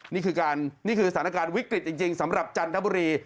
นี่คือการนี่คือสถานการณ์วิกฤตจริงสำหรับจันทบุรี